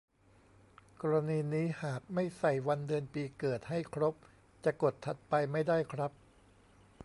กรณีนี้หากไม่ใส่วันเดือนปีเกิดให้ครบ จะกด "ถัดไป" ไม่ได้ครับ